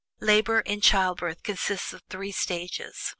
Labor, in childbirth, consists of three stages.